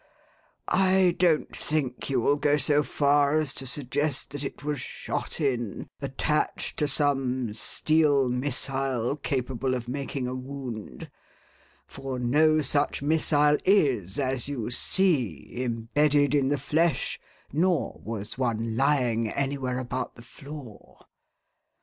I don't think you will go so far as to suggest that it was shot in, attached to some steel missile capable of making a wound; for no such missile is, as you see, embedded in the flesh nor was one lying anywhere about the floor.